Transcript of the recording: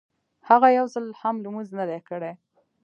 هغه يو ځل هم لمونځ نه دی کړی.